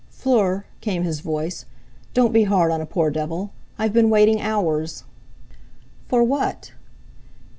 "Fleur," came his voice, "don't be hard on a poor devil! I've been waiting hours." "For what?"